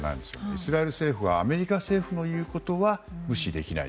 イスラエル政府はアメリカ政府の言うことは無視できない。